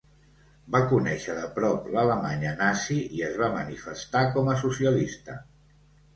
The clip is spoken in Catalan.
Va conèixer de prop l'Alemanya nazi i es va manifestar com a socialista.